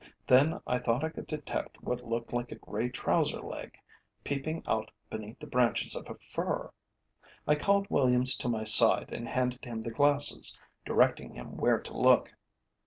Then I thought I could detect what looked like a grey trouser leg, peeping out beneath the branches of a fir. I called Williams to my side and handed him the glasses, directing him where to look.